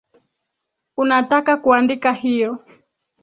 Unataka kuandika hiyo?